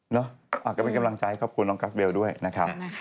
เนอะก็เป็นกำลังใจขอบคุณน้องกัสเบลด้วยนะครับ